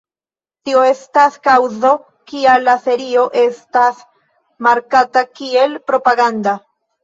Tio estas kaŭzo, kial la serio estas markata kiel propaganda.